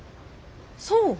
そう？